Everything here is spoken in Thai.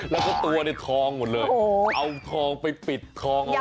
แล้วก็ตัวในทองหมดเลยเอาทองไปปิดทองเอาไว้